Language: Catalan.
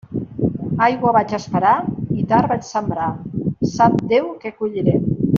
Aigua vaig esperar i tard vaig sembrar; sap Déu què colliré!